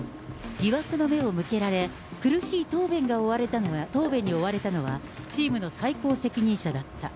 疑惑の目を向けられ、苦しい答弁に追われたのは、チームの最高責任者だった。